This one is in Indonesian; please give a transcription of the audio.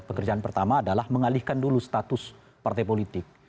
pekerjaan pertama adalah mengalihkan dulu status partai politik